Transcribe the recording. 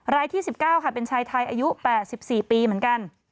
รายที่๑๙ค่ะเป็นชายไทยอายุ๘๔ปีเหมือนกัน